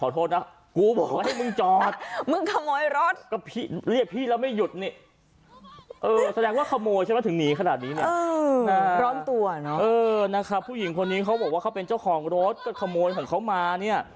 ถึงหนีขนาดนี้เนี่ยเออร้อนตัวเนอะเออนะครับผู้หญิงคนนี้เขาบอกว่าเขาเป็นเจ้าของรถก็ขโมยของเขามาเนี่ย